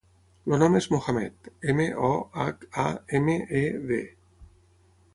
El nom és Mohamed: ema, o, hac, a, ema, e, de.